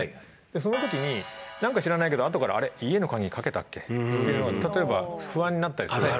そのときになんか知らないけど、あとからあれ、家の鍵かけたっけ？と例えば不安になったりすること。